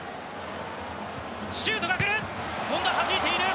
シュートが来る。